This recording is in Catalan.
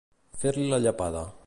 Fer-li la llepada.